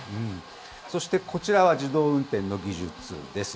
そしてこちらは自動運転の技術です。